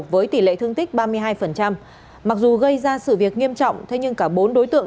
với tỷ lệ thương tích ba mươi hai mặc dù gây ra sự việc nghiêm trọng thế nhưng cả bốn đối tượng